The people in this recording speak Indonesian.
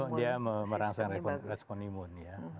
ya dia merangsang respon imun